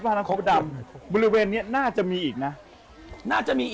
และก็เจอของอยู่ที่นี่นะครับใช่